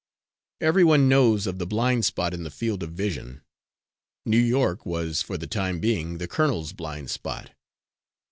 Every one knows of the "blind spot" in the field of vision. New York was for the time being the colonel's blind spot.